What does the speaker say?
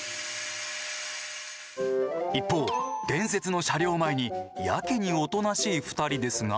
一方伝説の車両を前にやけにおとなしい２人ですが。